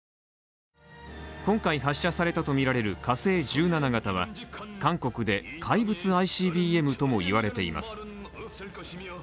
今回、発射されたとみられる火星１７型は韓国で怪物ＩＣＢＭとも言われています。